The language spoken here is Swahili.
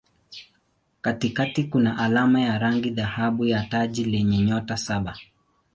Katikati kuna alama ya rangi dhahabu ya taji lenye nyota saba.